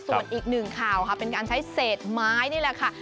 ส่วนอีกหนึ่งข่าวค่ะเป็นการใช้เศษไม้นี่แหละค่ะ